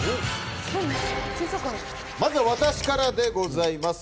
まずは私からでございます。